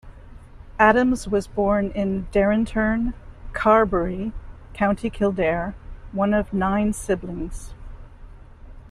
Adams was born in Derrinturn, Carbury, County Kildare, one of nine siblings.